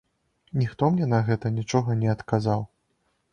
Ніхто мне на гэта нічога не адказаў.